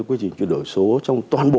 quy trình truyền đổi số trong toàn bộ